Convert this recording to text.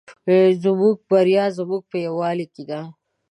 زموږ بریا زموږ په یوالي کې ده